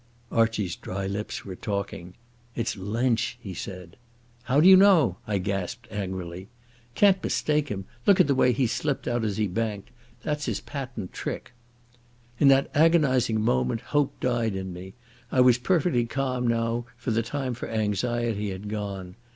Archie's dry lips were talking. "It's Lensch," he said. "How d'you know?" I gasped angrily. "Can't mistake him. Look at the way he slipped out as he banked. That's his patent trick." In that agonizing moment hope died in me. I was perfectly calm now, for the time for anxiety had gone.